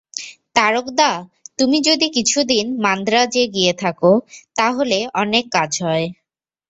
তারক-দা, তুমি যদি কিছুদিন মান্দ্রাজে গিয়ে থাক, তাহলে অনেক কাজ হয়।